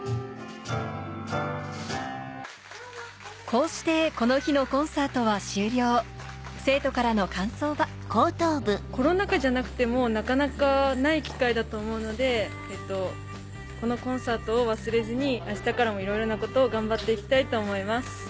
こうしてこの日の生徒からの感想はコロナ禍じゃなくてもなかなかない機会だと思うのでこのコンサートを忘れずに明日からもいろいろなことを頑張って行きたいと思います。